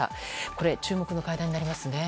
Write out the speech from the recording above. これ、注目の会談になりますね。